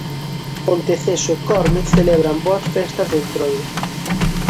Ponteceso e Corme celebran boas festas de Entroido.